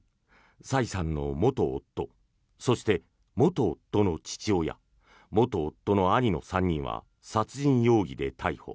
サイさんの元夫そして、元夫の父親元夫の兄の３人は殺人容疑で逮捕。